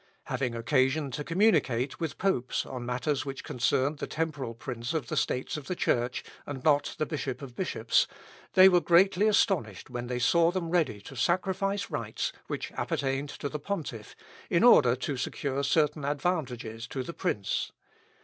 Having occasion to communicate with popes on matters which concerned the temporal prince of the States of the Church, and not the Bishop of bishops, they were greatly astonished when they saw them ready to sacrifice rights which appertained to the pontiff, in order to secure certain advantages to the prince.